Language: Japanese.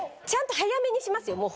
ちゃんと早めにしますよ。